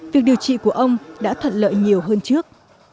việc điều trị của ông đã thuận lợi nhiều hơn trước